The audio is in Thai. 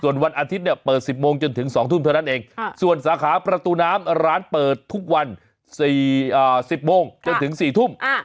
วันอาทิตย์เนี่ยเปิด๑๐โมงจนถึง๒ทุ่มเท่านั้นเองส่วนสาขาประตูน้ำร้านเปิดทุกวัน๑๐โมงจนถึง๔ทุ่ม